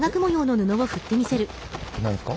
何ですか？